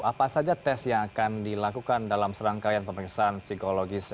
apa saja tes yang akan dilakukan dalam serangkaian pemeriksaan psikologis